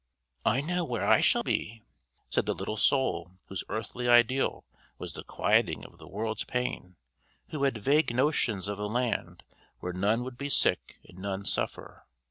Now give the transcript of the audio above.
"I know where I shall be," said the little soul whose earthly ideal was the quieting of the world's pain: who had vague notions of a land where none would be sick and none suffer.